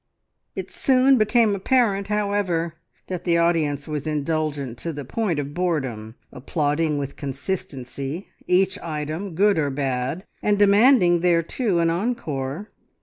It soon became apparent, however, that the audience was indulgent to the point of boredom, applauding with consistency each item, good or bad, and demanding thereto an encore.